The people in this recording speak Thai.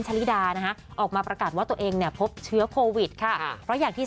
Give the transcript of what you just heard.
ลิดานะคะออกมาประกาศว่าตัวเองเนี่ยพบเชื้อโควิดค่ะเพราะอย่างที่